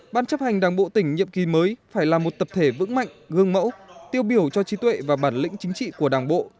ban chấp hành đảng bộ tỉnh nhiệm kỳ mới phải là một tập thể vững mạnh gương mẫu tiêu biểu cho trí tuệ và bản lĩnh chính trị của đảng bộ